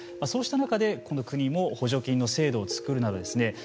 そうした中でこの国も補助金の制度を作るなどですね